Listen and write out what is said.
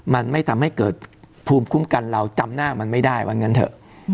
มันไม่ทำให้เกิดภูมิคุ้มกันเราจำหน้ามันไม่ได้ว่างั้นเถอะ